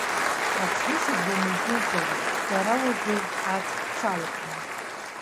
Аҽнышьыбжьон уздәылҵрым, бара уажәы, аҵх бҽалакны.